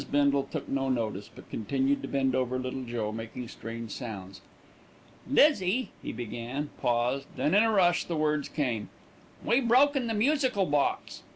Bindle took no notice; but continued to bend over Little Joe, making strange sounds. "Lizzie " he began, paused, then in a rush the words came. "We broken the musical box."